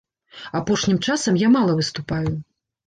Апошнім часам я мала выступаю.